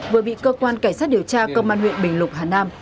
vừa bị cơ quan cảnh sát điều tra công an huyện bình lục hà nam